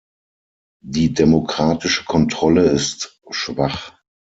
Die demokratische Kontrolle ist schwach.